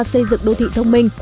xây dựng đô thị thông minh